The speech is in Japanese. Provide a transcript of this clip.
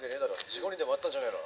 事故にでも遭ったんじゃねぇの？